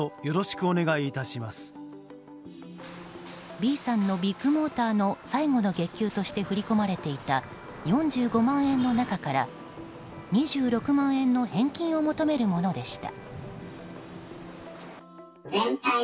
Ｂさんのビッグモーターの最後の月給として振り込まれていた４５万円の中から２６万円の返金を求めるものでした。